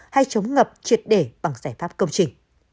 hay chống ngập triệt để bằng giải pháp công trình